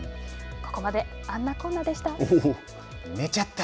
ここまで「あんなこんな」でした。